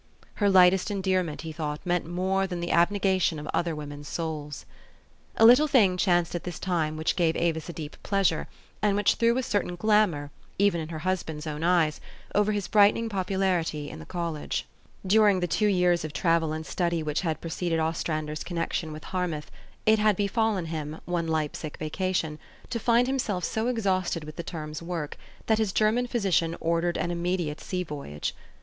" Her light est endearment, he thought, meant more than the abnegation of other women's souls. A little thing chanced at this time which gave Avis a deep pleasure, and which threw a certain glamour, even in her husband's own e} r es, over his brightening popularity in the college. 248 THE STORY OF AVIS. Dunng the two years of travel and study which had preceded Ostrander 's connection with Harmouth, it had befallen him,^one Leipsic vacation, to find himself so exhausted with the term's work, that his German physician ordered an immediate sea voyage.